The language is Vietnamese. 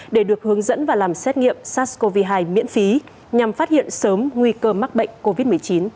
để được hướng dẫn và làm xét nghiệm sars cov hai miễn phí nhằm phát hiện sớm nguy cơ mắc bệnh covid một mươi chín